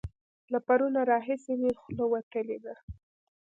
له پرونه راهسې مې خوله وتلې ده.